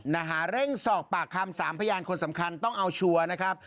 นะฮะเร่งสอบปากคำสามพยานคนสำคัญต้องเอาชัวร์นะครับ